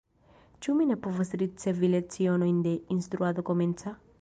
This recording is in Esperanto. Ĉu mi ne povas ricevi lecionojn de instruado komenca?